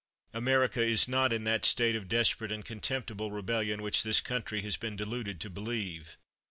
America is not in that state of desperate and contemptible rebel lion which this country has been deluded to believe.